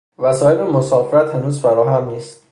وسائل مسافرت هنوز فراهم نیست